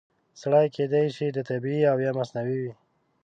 سرې کیدای شي طبیعي او یا مصنوعي وي.